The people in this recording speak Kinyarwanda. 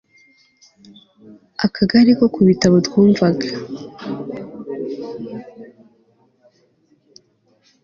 akagare ko ku ibitabo twumvaga